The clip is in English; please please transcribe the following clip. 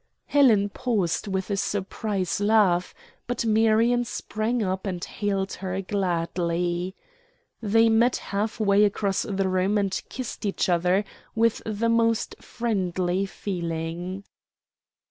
Helen paused with a surprised laugh, but Marion sprang up and hailed her gladly. They met half way across the room and kissed each other with the most friendly feeling.